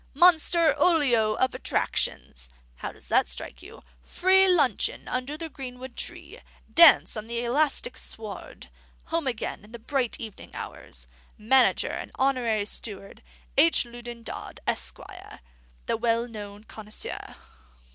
MONSTER OLIO OF ATTRACTIONS.' (How does that strike you?) 'Free luncheon under the greenwood tree. Dance on the elastic sward. Home again in the Bright Evening Hours. Manager and Honorary Steward, H. Loudon Dodd, Esq., the well known connoisseur.'"